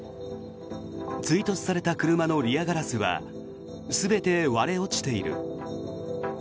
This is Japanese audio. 追突された車のリアガラスは全て割れ落ちている。